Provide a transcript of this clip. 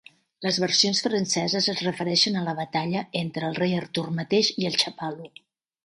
Les versions franceses es refereixen a la batalla entre el Rei Artur mateix i el "Chapalu".